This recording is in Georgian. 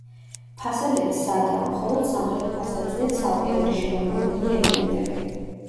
ფასადები სადაა, მხოლოდ სამხრეთ ფასადზეა ცალკეული შემამკობელი ელემენტები.